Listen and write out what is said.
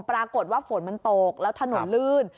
ปรากฏว่าฝนมันตกแล้วถนนลื่น